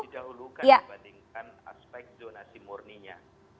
dihulukan dibandingkan aspek donasi murninya